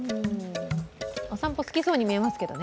お散歩、好きそうに見えますけどね。